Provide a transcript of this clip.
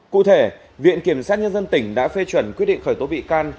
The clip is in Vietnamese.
cụ thể viện kiểm sát nhân dân tỉnh đã phê chuẩn quyết định khởi tố bị can